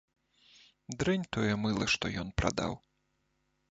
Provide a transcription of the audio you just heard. Дрэнь тое мыла, што ён прадаў.